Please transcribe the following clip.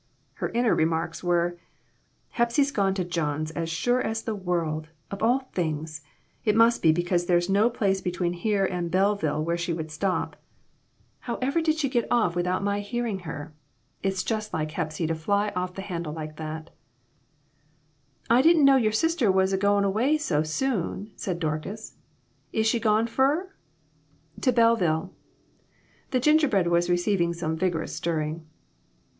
Her inner remarks were " Hepsy's gone to John's as sure as the world! Of all things ! It must be, because there's no place between here and Belleville where she would stop. However did she get off without my hear IMPROMPTU VISITS. IO5 ing her? It's just like Hepsy to fly off the handle like that." "I didn't know your sister was a goin' away so soon," said Dorcas; "is she gone fur?" "To Belleville." The gingerbread was receiving some vigorous stirring.